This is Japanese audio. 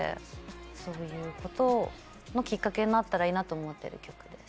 そういうことのきっかけになったらいいなと思ってる曲です。